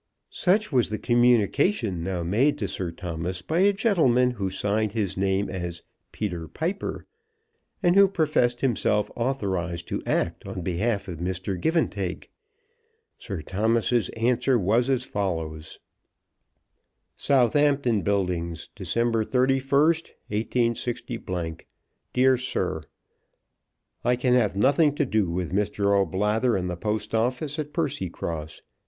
Such was the communication now made to Sir Thomas by a gentleman who signed his name as Peter Piper, and who professed himself authorised to act on behalf of Mr. Givantake. Sir Thomas's answer was as follows; Southampton Buildings, December 31, 186 . SIR, I can have nothing to do with Mr. O'Blather and the post office at Percycross.